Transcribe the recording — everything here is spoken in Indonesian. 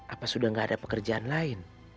apa sudah tidak ada pekerjaan lain